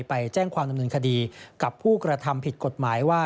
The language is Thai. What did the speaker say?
ไปแจ้งความดำเนินคดีกับผู้กระทำผิดกฎหมายว่า